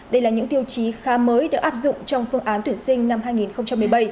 đây là những tiêu chí khá mới được áp dụng trong phương án tuyển sinh năm hai nghìn một mươi bảy